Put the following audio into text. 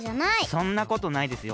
そんなことないですよ。